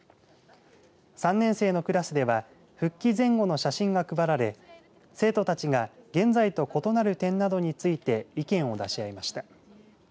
３年生のクラスでは、復帰前後の写真を配られ生徒たちが現在と異なる点などについて意見を出し合いました。